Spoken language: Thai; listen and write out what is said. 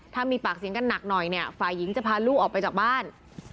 ถ้ามีปากเสียงกันหนักหน่อยเนี่ยฝ่ายหญิงจะพาลูกออกไปจากบ้าน